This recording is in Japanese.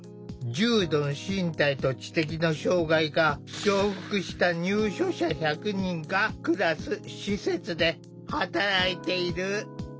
重度の身体と知的の障害が重複した入所者１００人が暮らす施設で働いている。